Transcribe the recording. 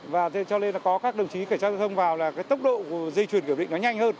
và thế cho nên là có các đồng chí cảnh sát giao thông vào là cái tốc độ dây chuyển kiểm định nó nhanh hơn